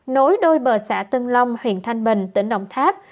nối đôi bờ xã tân long huyện thanh bình tỉnh đồng tháp